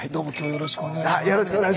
よろしくお願いします。